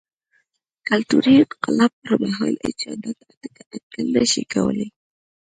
کلتوري انقلاب پر مهال هېچا دا اټکل نه شوای کولای.